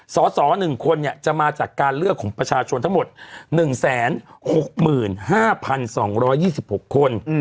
สส๑คนจะมาจากการเลือกของประชาชนทั้งหมด๑๖๕๒๒๖คน